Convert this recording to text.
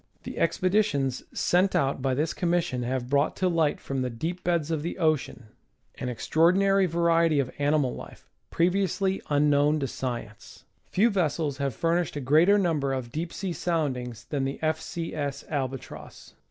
The expeditions sent out by this Commission have brought to light from the deep beds of the ocean an ex ' 140 National Geographic Magazine. traordinary variety of animal life, previously unknown to science. Few vessels have furnished a greater number of deep sea sound ings than the F. C. S. Albatross.